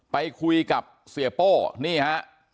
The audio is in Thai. ไปคุยกับเสียโป้นี่ฮะ